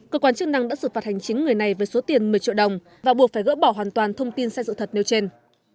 cơ quan chức năng đã xử phạt hành chính người này với số tiền một mươi triệu đồng và buộc phải gỡ bỏ hoàn toàn thông tin sai sự thật nêu trên